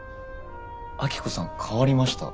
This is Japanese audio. アキコさん変わりました。